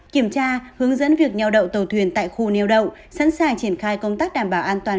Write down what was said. kiểm tra hướng dẫn việc nheo đậu tàu thuyền tại khu neo đậu sẵn sàng triển khai công tác đảm bảo an toàn